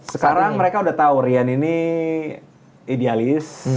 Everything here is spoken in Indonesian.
sekarang mereka udah tahu rian ini idealis